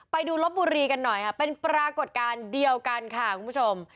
ไปดูลบบุรีกันหน่อยค่ะเป็นปรากฏการณ์เดียวกันค่ะคุณผู้ชม